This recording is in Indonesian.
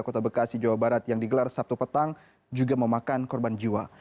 kota bekasi jawa barat yang digelar sabtu petang juga memakan korban jiwa